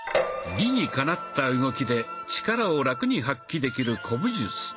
理にかなった動きで力をラクに発揮できる古武術。